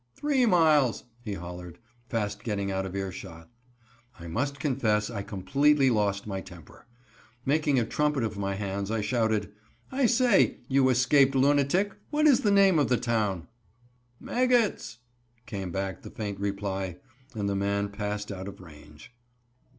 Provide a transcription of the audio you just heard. "Three miles," he hollered, fast getting out of ear shot. I must confess I completely lost temper. Making a trumpet of my hands, I shouted: "I say, you escaped lunatic, what is the name of the town?" "Meggetts," came back the faint reply, and the man passed out of range.